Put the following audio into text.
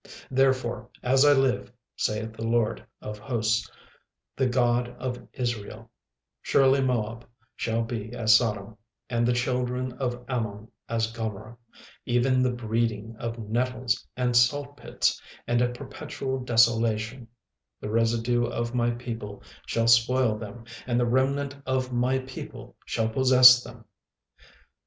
36:002:009 Therefore as I live, saith the LORD of hosts, the God of Israel, Surely Moab shall be as Sodom, and the children of Ammon as Gomorrah, even the breeding of nettles, and saltpits, and a perpetual desolation: the residue of my people shall spoil them, and the remnant of my people shall possess them.